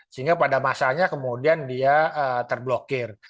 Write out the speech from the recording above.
sehingga pada masanya kemudian dia terblokir